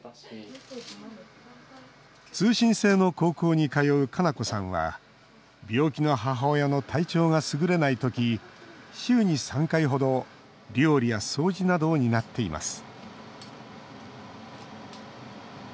通信制の高校に通うかなこさんは病気の母親の体調がすぐれない時週に３回ほど料理や掃除などを担っていますＯＫ！